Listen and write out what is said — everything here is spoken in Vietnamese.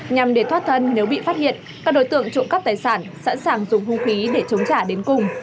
nhằm để thoát thân nếu bị phát hiện các đối tượng trộm cắp tài sản sẵn sàng dùng hung khí để chống trả đến cùng